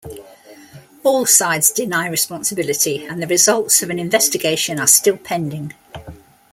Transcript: All sides deny responsibility and the results of an investigation are still pending.